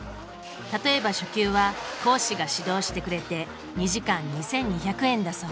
例えば初級は講師が指導してくれて２時間２，２００円だそう。